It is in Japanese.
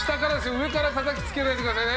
上から叩きつけないでくださいね。